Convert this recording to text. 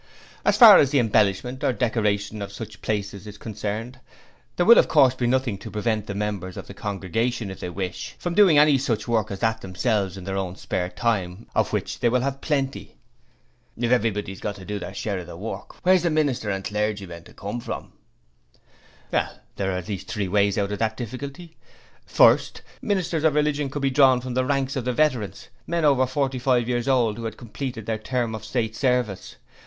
As far as the embellishment or decoration of such places is concerned, there will of course be nothing to prevent the members of the congregation if they wish from doing any such work as that themselves in their own spare time of which they will have plenty.' 'If everybody's got to do their share of work, where's the minister and clergymen to come from?' 'There are at least three ways out of that difficulty. First, ministers of religion could be drawn from the ranks of the Veterans men over forty five years old who had completed their term of State service.